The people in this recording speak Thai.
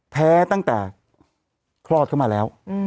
แพ้ตั้งแต่คลอดเข้ามาแล้ว